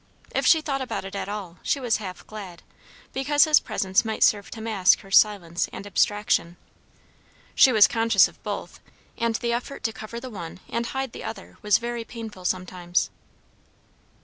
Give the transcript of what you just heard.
If she thought about it at all, she was half glad, because his presence might serve to mask her silence and abstraction. She was conscious of both, and the effort to cover the one and hide the other was very painful sometimes.